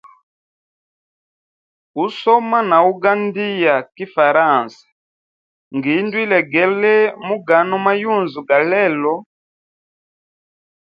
Usoma na ugandia kifaransa ngindu ilegele mu gano mayunzu ga lelo.